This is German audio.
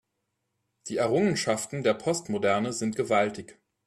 Die Errungenschaften der Postmoderne sind gewaltig.